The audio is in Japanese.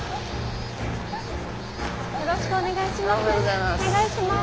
よろしくお願いします。